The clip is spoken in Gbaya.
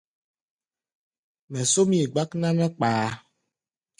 Mɛ súm yi, gbák ná mɛ́ kpaá.